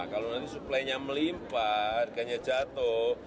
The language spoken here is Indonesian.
kalau nanti suplainya melimpa harganya jatuh